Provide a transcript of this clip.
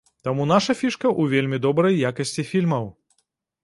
Таму наша фішка ў вельмі добрай якасці фільмаў.